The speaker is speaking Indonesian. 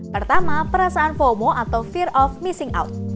pertama perasaan fomo atau fear of missing out